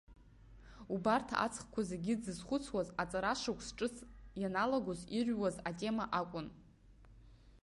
Убарҭ аҵхқәа зегьы дзызхәыцуаз аҵарашықәс ҿыц ианналагоз ирҩуаз атема акәын.